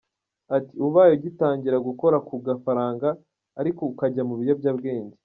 Ati “Ubaye ugitangira gukora ku gafaranga ariko ukajya mu biyobyabwenge.